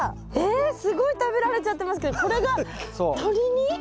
えっすごい食べられちゃってますけどこれが鳥に？